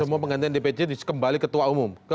semua penggantian dpc kembali ketua umum